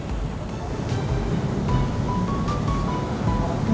karena gue berpikir secara objektif cip